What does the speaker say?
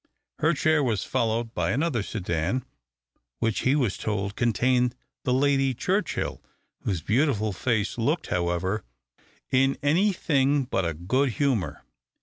Her chair was followed by another sedan, which, he was told, contained the Lady Churchill, whose beautiful face looked, however, in any thing but a good humour.